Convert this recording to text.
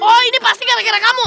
oh ini pasti gara gara kamu